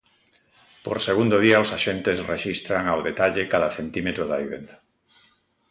Por segundo día os axentes rexistran ao detalle cada centímetro da vivenda.